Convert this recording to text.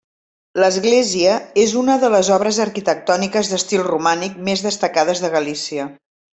L'església és una de les obres arquitectòniques d'estil romànic més destacades de Galícia.